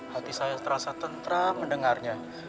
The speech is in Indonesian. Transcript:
hati saya terasa tentra mendengarnya